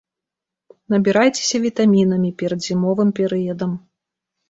Набірайцеся вітамінамі перад зімовым перыядам.